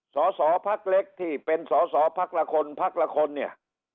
สอสอพักเล็กที่เป็นสอสอพักละคนพักละคนเนี่ย